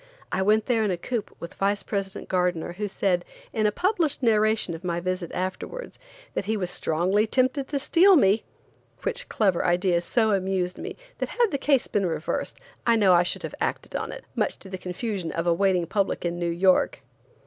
I went there in a coupe with Vice President Gardener who said, in a published narration of my visit afterwards, that he was strongly tempted to steal me, which clever idea so amused me that had the case been reversed, I know I should have acted on it, much to the confusion of a waiting public in New York.